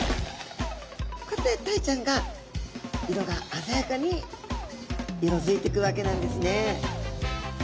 こうやってタイちゃんが色があざやかに色づいてくわけなんですね。